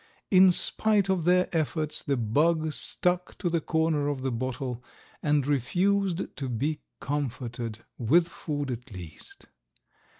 In spite of their efforts the bug stuck to the corner of the bottle and refused to be comforted, with food, at least.